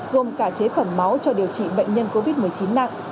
gồm cả chế phẩm máu cho điều trị bệnh nhân covid một mươi chín nặng